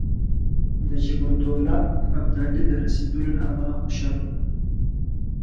نجیب الدوله د ابدالي د رسېدلو له امله خوشاله وو.